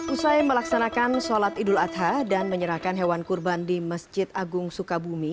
usai melaksanakan sholat idul adha dan menyerahkan hewan kurban di masjid agung sukabumi